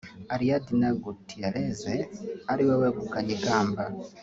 Ariadna Gutierrez ariwe wegukanye ikamba